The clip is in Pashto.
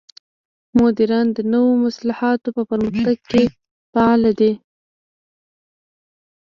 مدیران د نوو محصولاتو په پرمختګ کې فعال دي.